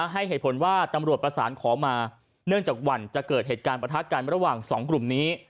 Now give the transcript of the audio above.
ให้เหตุผลว่าตำรวจประสานขอมาเนื่องจากหวั่นจะเกิดเหตุการณ์ประทะกันระหว่างสองกลุ่มนี้